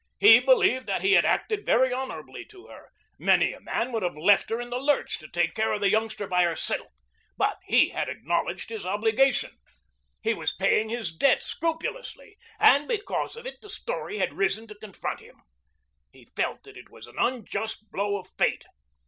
He believed that he had acted very honorably to her. Many a man would have left her in the lurch to take care of the youngster by herself. But he had acknowledged his obligation. He was paying his debt scrupulously, and because of it the story had risen to confront him. He felt that it was an unjust blow of fate.